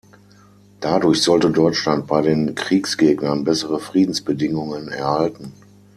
Dadurch sollte Deutschland bei den Kriegsgegnern bessere Friedensbedingungen erhalten.